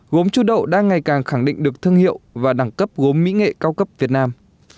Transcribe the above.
gốm chú đậu đang ngày càng khẳng định được thương hiệu và đẳng cấp gốm mỹ nghệ cao cấp việt nam